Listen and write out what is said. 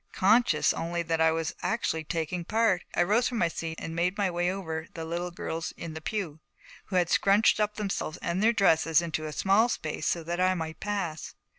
Conscious only that I was actually taking part, I rose from my seat and made my way over the little girls in the pew, who scrunched up themselves and their dresses into a small space so that I might pass.